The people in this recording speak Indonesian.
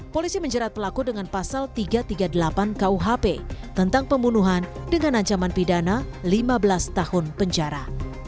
polisi menjerat pelaku dengan pasal tiga ratus tiga puluh delapan kuhp tentang pembunuhan dengan ancaman pidana lima belas tahun penjara